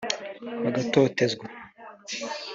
bagatotezwa